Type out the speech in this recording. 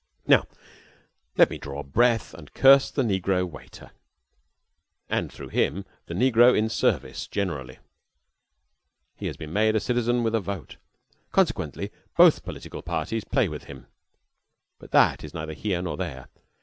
Now, let me draw breath and curse the negro waiter, and through him the negro in service generally. He has been made a citizen with a vote, consequently both political parties play with him. But that is neither here nor there.